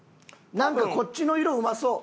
なんかこっちの色うまそう。